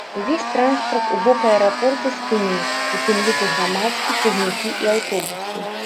Увесь транспарт у бок аэрапорта спынены, у тым ліку грамадскі, цягнікі і аўтобусы.